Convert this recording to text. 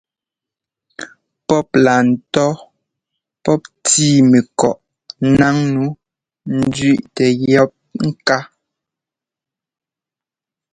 Pɔ́p laa ńtɔ́ pɔ́p tíi mɛkɔꞌ ńnáŋ nǔu ńzẅíꞌtɛ yɔ̌p ŋká.